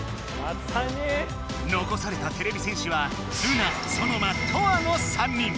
残されたてれび戦士はルナソノマトアの３人。